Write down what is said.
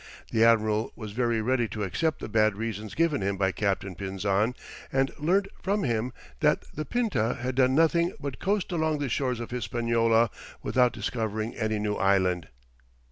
The admiral was very ready to accept the bad reasons given him by Captain Pinzon, and learnt from him that the Pinta had done nothing but coast along the shores of Hispaniola, without discovering any new island.